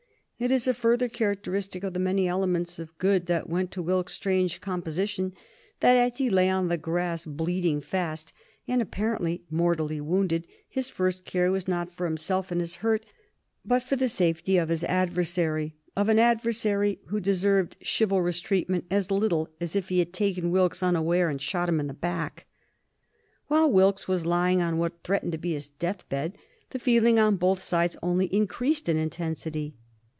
It is a further characteristic of the many elements of good that went to Wilkes's strange composition that, as he lay on the grass bleeding fast and apparently mortally wounded, his first care was not for himself and his hurt, but for the safety of his adversary, of an adversary who deserved chivalrous treatment as little as if he had taken Wilkes unawares and shot him in the back. While Wilkes was lying on what threatened to be his death bed the feeling on both sides only increased in intensity.